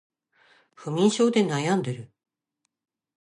不眠症で悩んでいる